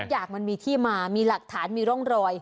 อย่างมันมีที่มามีหลักฐานมีร่องรอย